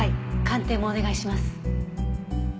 鑑定もお願いします。